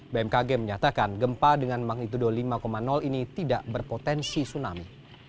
bmkg menyatakan gempa dengan magnitudo lima ini tidak berpotensi tsunami